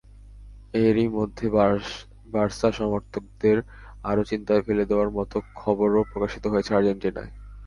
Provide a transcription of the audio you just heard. এরই মধ্যে বার্সা সমর্থকদের আরও চিন্তায় ফেলে দেওয়ার মতো খবরও প্রকাশিত হয়েছে আর্জেন্টিনায়।